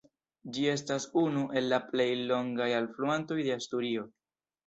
Ĝi estas unu el la plej longaj alfluantoj de Asturio.